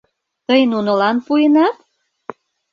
— Тый нунылан пуэнат?!